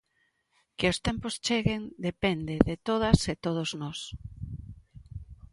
Que os tempos cheguen depende de todas e todos nós.